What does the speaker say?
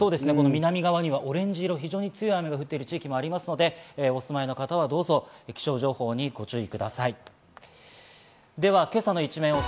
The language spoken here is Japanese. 南側にはオレンジ色、非常に強い雨が降っている地域もありますので、お住まいの方は気象情報にご注意ください。